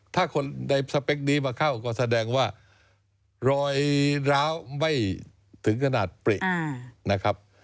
ถ้าคนในสเปคนี้มาเข้าก็แสดงว่ารอยร้าวไม่ถึงขนาดปรินะครับ